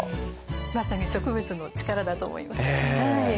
まさに植物の力だと思います。